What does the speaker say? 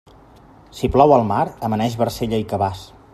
Si plou al mar, amaneix barcella i cabàs.